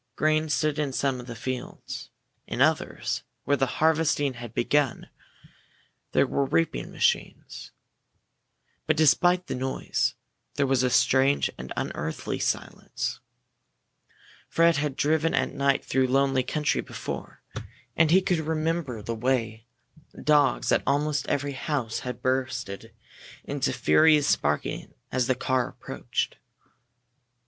Grain stood in some of the fields. In others, where the harvesting had begun, there were reaping machines. But despite the noise, there was a strange and unearthly silence. Fred had driven at night through lonely country before, and he could remember the way dogs at almost every house had burst into furious barking as the car approached.